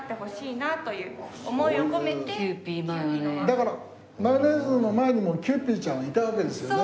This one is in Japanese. だからマヨネーズの前にもキユーピーちゃんはいたわけですよね。